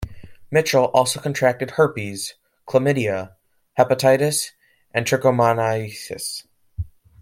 Mitchell also contracted herpes, chlamydia, hepatitis, and trichomoniasis.